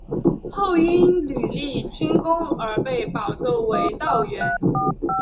后因屡立军功而被保奏为道员。